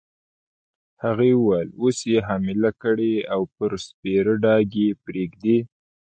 هغې وویل: اوس يې حامله کړې او پر سپېره ډاګ یې پرېږدې.